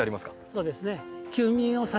そうですね。